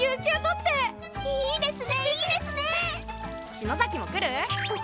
篠崎も来る？